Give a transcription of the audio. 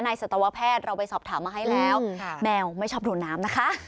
สัตวแพทย์เราไปสอบถามมาให้แล้วแมวไม่ชอบโดนน้ำนะคะ